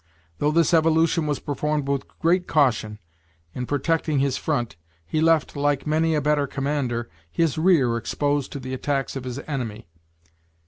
Though this evolution was performed with great caution, in protecting his front, he left, like many a better commander, his rear exposed to the attacks of his enemy.